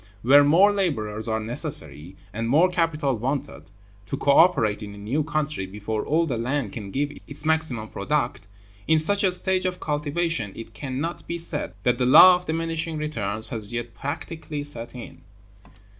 Where more laborers are necessary, and more capital wanted, to co operate in a new country before all the land can give its maximum product, in such a stage of cultivation it can not be said that the law of diminishing returns has yet practically set in.